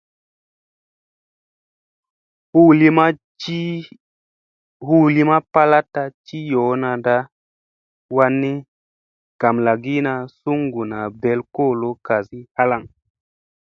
Hu lima palaɗta a ci yoonada wanni gamlagiina suŋguna ɓel kolo kasi halaŋ.